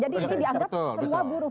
jadi ini dianggap semua buruh